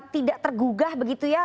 tidak tergugah begitu ya